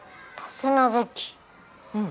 うん。